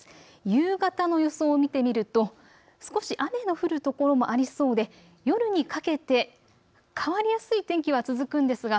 夕方の予想を見てみると少し雨の降る所もありそうで、夜にかけて変わりやすい天気は続くんですが